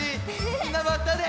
みんなまたね！